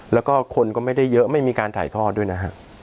แล้วก็คนก็ไม่ได้เยอะไม่มีการถ่ายทอดด้วยนะฮะ